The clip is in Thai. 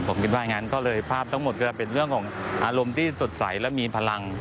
ผมคิดว่าอย่างนั้นก็เลยภาพทั้งหมดก็จะเป็นเรื่องของอารมณ์ที่สดใสและมีพลัง